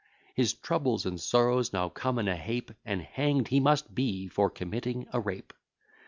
His troubles and sorrows now come in a heap, And hang'd he must be for committing a rape.